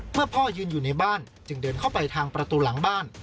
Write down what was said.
พ่อยืนอยู่ในบ้านจึงเดินเข้าไปทางประตูหลังบ้าน